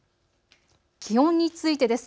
気温についてです。